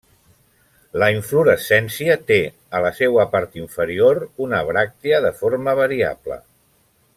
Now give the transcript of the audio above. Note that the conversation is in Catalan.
La inflorescència té a la seua part inferior una bràctea de forma variable.